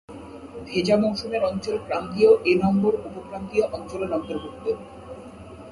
ভেজা মৌসুমের অঞ্চল ক্রান্তীয় এনম্বর উপক্রান্তীয় অঞ্চলের অন্তর্ভুক্ত।